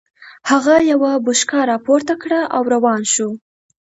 هغه يوه بوشکه را پورته کړه او روان شو.